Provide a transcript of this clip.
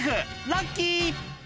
ラッキー！